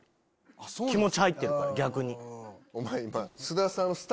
気持ち入ってるから逆に。